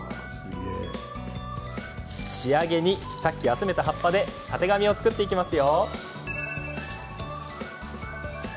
仕上げに、さっき集めた葉っぱでたてがみを作っていきます。